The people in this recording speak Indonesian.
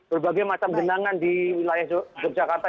berbagai macam genangan di wilayah yogyakarta